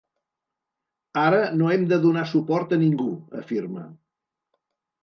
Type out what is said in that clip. Ara no hem de donar suport a ningú, afirma.